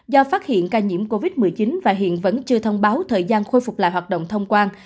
do phát hiện ca nhiễm covid một mươi chín và hiện vẫn chưa thông báo thời gian khôi phục lại hoạt động thông quan